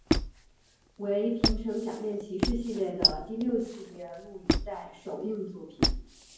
为平成假面骑士系列的第六系列录影带首映作品。